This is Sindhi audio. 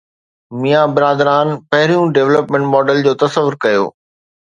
ميان برادران پهريون ڊولپمينٽ ماڊل جو تصور ڪيو.